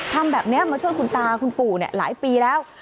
ทำแบบนี้มาช่วยคุณตาคุณปู่หลายปีแล้ว